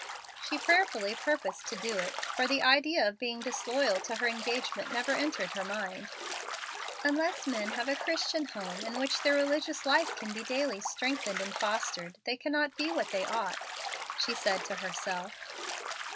She prayerfully purposed to do it, for the idea of being disloyal to her engagement never entered her mind. "Unless men have a Christian home, in which their religious life can be daily strengthened and fostered, they cannot be what they ought," she said to herself.